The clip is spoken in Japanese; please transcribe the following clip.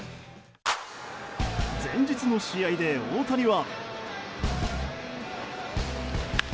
前日の試合で、大谷は。